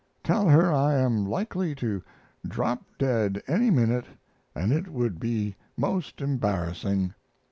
Tell her I am likely to drop dead any minute and it would be most embarrassing."